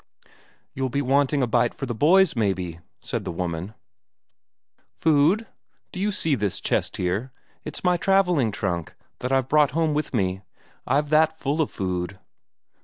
"You'll be wanting a bite for the boys, maybe," said the woman. "Food? Do you see this chest here? It's my travelling trunk, that I brought home with me I've that full of food."